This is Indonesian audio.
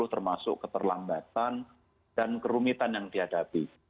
termasuk keterlambatan dan kerumitan yang dihadapi